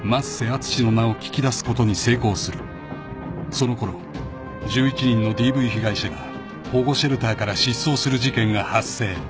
［そのころ１１人のＤＶ被害者が保護シェルターから失踪する事件が発生］